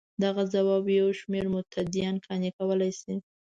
دغه ځواب یو شمېر متدینان قانع کولای شي.